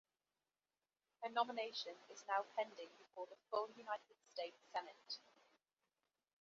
Her nomination is now pending before the full United States Senate.